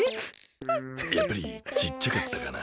やっぱりちっちゃかったかな。